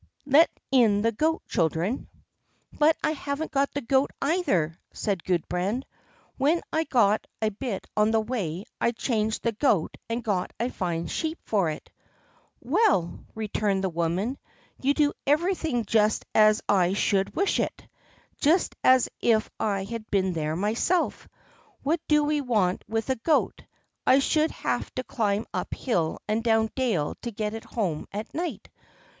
Let in the goat, children." "But I haven't got the goat either," said Gudbrand. "When I got a bit on the way I changed the goat and got a fine sheep for it." "Well!" returned the woman, "you do everything just as I should wish it—just as if I had been there myself. What do we want with a goat? I should have to climb up hill and down dale to get it home at night.